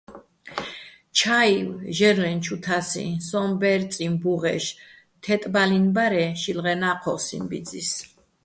ჩაივ ჟე́ლრეჼ ჩუ თასიჼ, სო ბერწიჼ ბუღეშ, თე́ტბალინო̆ ბარ-ე შილღენა́ ჴოსიჼ ბიძის.